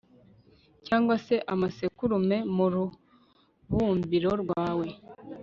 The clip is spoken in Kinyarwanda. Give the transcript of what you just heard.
cyangwa se amasekurume mu rubumbiro rwawe